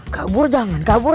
kabur jangan kabur